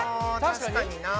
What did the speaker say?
確かにな。